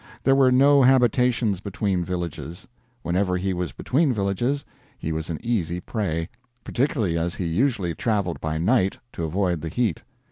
There were no habitations between villages. Whenever he was between villages he was an easy prey, particularly as he usually traveled by night, to avoid the heat.